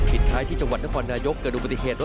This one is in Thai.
พิท้ายที่จังหวัดนครนายกเกิดอุปสสิหนตุ